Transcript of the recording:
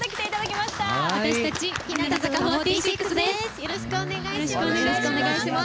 よろしくお願いします。